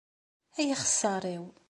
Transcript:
Ay axeṣṣaṛ-iw!